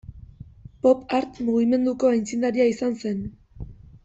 Pop Art mugimenduko aitzindaria izan zen.